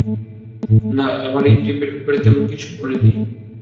আমার না এই ট্রিপের ব্যাপারে তেমন কিছু মনে নেই!